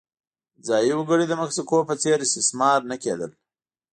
ځايي وګړي د مکسیکو په څېر استثمار نه کېدل.